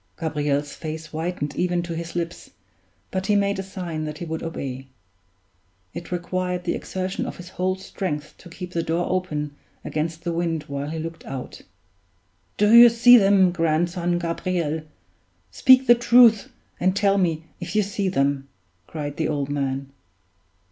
Gabriel's face whitened even to his lips, but he made a sign that he would obey. It required the exertion of his whole strength to keep the door open against the wind while he looked out. "Do you see them, grandson Gabriel? Speak the truth, and tell me if you see them," cried the old man.